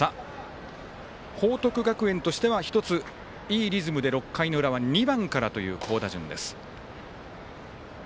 報徳学園としては１つ、いいリズムで６回の裏は２番からという好打順です。